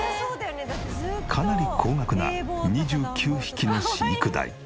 かなり高額な２９匹の飼育代。